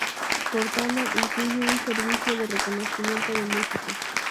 Cortana incluye un servicio de reconocimiento de música.